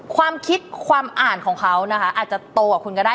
ความคิดความอ่านของเขานะคะอาจจะโตกว่าคุณก็ได้